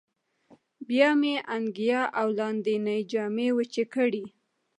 بیا مې انګیا او لاندینۍ جامې وچې کړې.